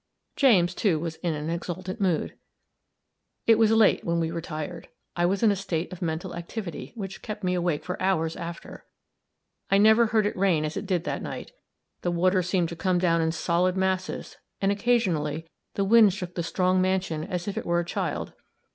James, too, was in an exultant mood. It was late when we retired. I was in a state of mental activity which kept me awake for hours after. I never heard it rain as it did that night the water seemed to come down in solid masses and, occasionally, the wind shook the strong mansion as if it were a child.